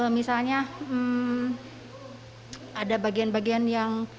misalnya ada bagian bagian yang